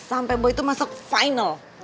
sampai boy tuh masuk final